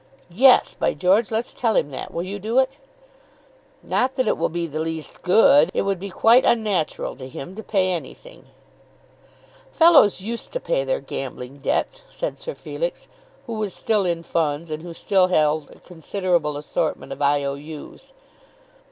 "Yes, by George; let's tell him that. Will you do it?" "Not that it will be the least good. It would be quite unnatural to him to pay anything." "Fellows used to pay their gambling debts," said Sir Felix, who was still in funds, and who still held a considerable assortment of I. O. U.'